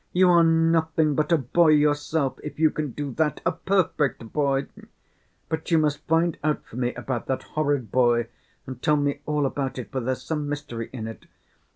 "You are nothing but a boy yourself if you can do that, a perfect boy! But you must find out for me about that horrid boy and tell me all about it, for there's some mystery in it.